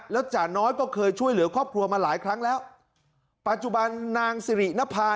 แล้วจ่าน้อยก็เคยช่วยเหลือครอบครัวมาหลายครั้งแล้วปัจจุบันนางสิรินภา